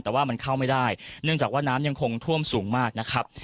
แต่ว่ามันเข้าไม่ได้เนื่องจากว่าน้ำยังคงท่วมสูงมากนะครับ